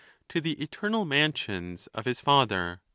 To the eternal mansions of his father.